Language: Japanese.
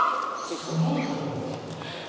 すごいことが起きている。